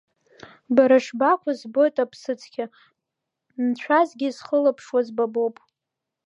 Бара шбакәыз збоит Аԥсыцкьа, нцәасгьы исхылаԥшуаз ба боуп.